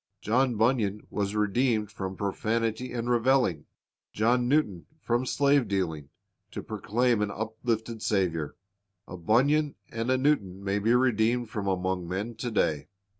John Bunyan was redeemed from profanity and reveling, John Newton from slave dealing, to proclaim an uplifted Saviour. A Bunyan and a Newton may be redeemed from among men to day.